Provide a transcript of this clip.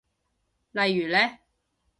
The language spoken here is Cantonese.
例如呢？